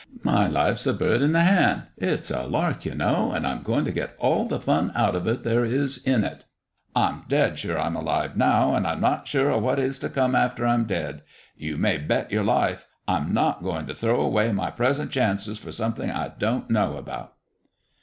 My life's a bird in the hand it's a lark, you know and I'm going to get all the fun out of it there is in it. I'm dead sure I'm alive now, and I'm not sure of what is to come after I'm dead. You may bet your life I'm not going to throw away my present chances for something I don't know about."